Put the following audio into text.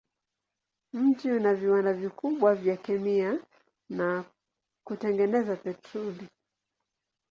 Mji una viwanda vikubwa vya kemia na kutengeneza petroli.